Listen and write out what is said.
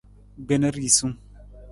Gbena risung.